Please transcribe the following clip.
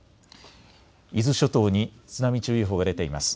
伊豆諸島に津波注意報が出ています。